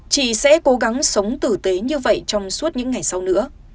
chị sẽ cố gắng sống tử tế như vậy trong suốt những ngày sau nữa